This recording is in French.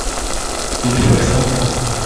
il fait semblant.